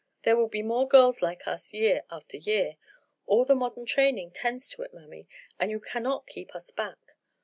There will be more girls like us year after year; all the modern training tends to it, mammy, and you cannot keep us back.